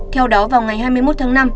theo đó vào ngày hai mươi một tháng năm